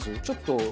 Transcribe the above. ちょっと。